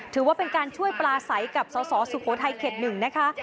ถือว่าเป็นการช่วยปลาใสกับสสสุโขทัยเขต๑นะคะ